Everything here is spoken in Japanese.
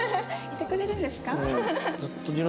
いてくれるんですか？